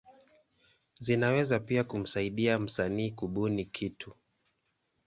Zinaweza pia kumsaidia msanii kubuni kitu.